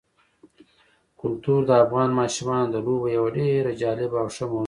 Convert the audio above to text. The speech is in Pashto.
کلتور د افغان ماشومانو د لوبو یوه ډېره جالبه او ښه موضوع ده.